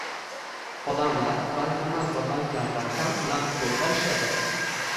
Odamlar bankomat va banklardan ham naqd pul olishadi